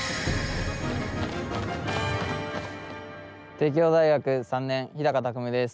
帝京大学、３年日高拓夢です。